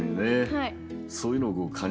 はい。